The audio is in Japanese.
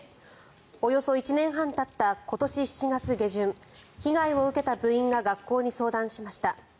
およそ１年半たった今年７月下旬被害を受けた部員が学校に相談しました。